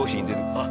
あっ。